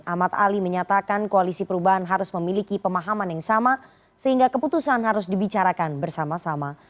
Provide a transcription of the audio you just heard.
ahmad ali menyatakan koalisi perubahan harus memiliki pemahaman yang sama sehingga keputusan harus dibicarakan bersama sama